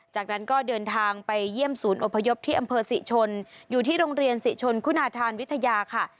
จากนั้นก็เดินทางไปเยี่ยมศูนย์อพยพที่อำเภอศรีชนอยู่ที่โรงเรียนศรีชนคุณาธานวิทยาค่ะ